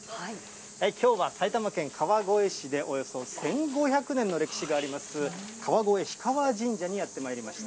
きょうは埼玉県川越市でおよそ１５００年の歴史があります、川越氷川神社にやって参りました。